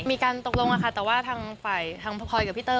มีการตกลงค่ะแต่ว่าทางฝ่ายทางพลอยกับพี่เต้